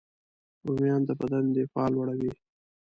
رومیان د بدن دفاع لوړوي